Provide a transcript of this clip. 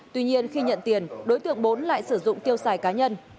tuy nhiên khi nhận tiền đối tượng bốn lại sử dụng tiêu xài cá nhân